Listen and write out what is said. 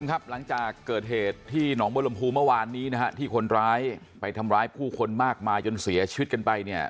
ครับหลังจากเกิดเหตุที่หนองบรมภูเมื่อวานนี้นะฮะที่คนร้ายไปทำร้ายผู้คนมากมายจนเสียชีวิตกันไปเนี่ย